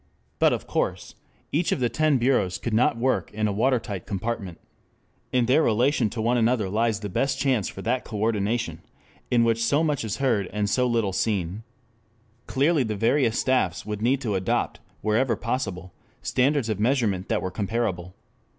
5 But, of course, each of the ten bureaus could not work in a watertight compartment. In their relation one to another lies the best chance for that "coordination" of which so much is heard and so little seen. Clearly the various staffs would need to adopt, wherever possible, standards of measurement that were comparable.